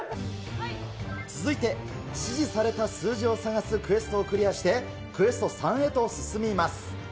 続いて指示された数字を探すクエストをクリアして、クエスト３へと進みます。